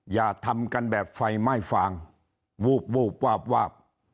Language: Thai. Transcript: อย่าทำกันแบบไฟไหม้ฟางวูบวาบวาบ